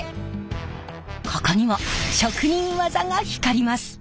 ここにも職人技が光ります。